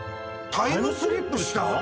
タイムスリップした！？